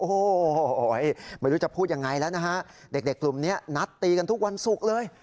โอ้โหไม่รู้จะพูดยังไงแล้วนะฮะเด็กกลุ่มนี้นัดตีกันทุกวันศุกร์เลย